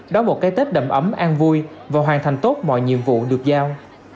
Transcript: đóng một cái tết đậm ấm an vui và hoàn thành tốt mọi nhiệm vụ được giao